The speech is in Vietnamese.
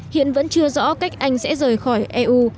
hiện vẫn chưa rõ cách anh sẽ rời khỏi eu